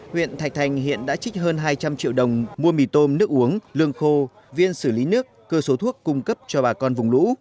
huyện thạch thành hiện đã trích hơn hai trăm linh triệu đồng mua mì tôm nước uống lương khô viên xử lý nước cơ số thuốc cung cấp cho bà con vùng lũ